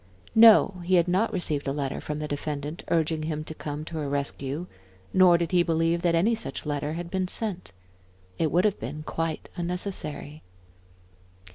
No, he had not received a letter from the defendant, urging him to come to her rescue, nor did he believe that any such letter had been sent. It would have been quite unnecessary.